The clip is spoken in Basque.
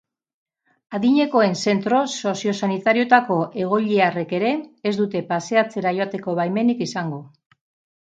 Adinekoen zentro sozio-sanitarioetako egoiliarrek ere ez dute paseatzera joateko baimenik izango.